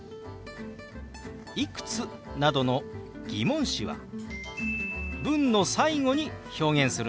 「いくつ？」などの疑問詞は文の最後に表現するんでしたね。